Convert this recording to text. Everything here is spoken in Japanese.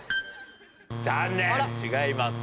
残念違います。